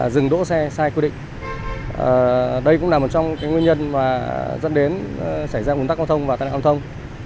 rừng đỗ xe sai quy định đây cũng là một trong những nguyên nhân dẫn đến xảy ra ủn tắc giao thông và tài năng giao thông